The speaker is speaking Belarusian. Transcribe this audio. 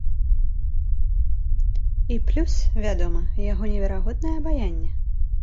І плюс, вядома, яго неверагоднае абаянне.